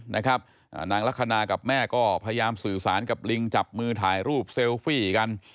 นางลักษณะกับแม่ก็พยายามสื่อสารกับลิงจับมือถ่ายรูปเซลฟี่กัน